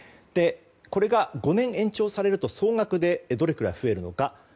これが５年延長されると総額でどれくらい増えるのか。